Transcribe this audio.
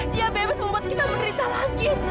dia bebas membuat kita menderita lagi